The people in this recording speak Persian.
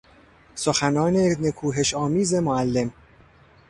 سخنان نکوهشآمیز معلم